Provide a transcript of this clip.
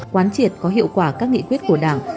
quán triệt có hiệu quả các nghị quyết của đảng